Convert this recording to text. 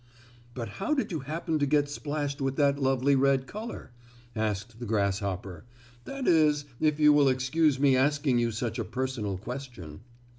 "But how did you happen to get splashed with that lovely red color?" asked the grasshopper, "that is if you will excuse me asking you such a personal question."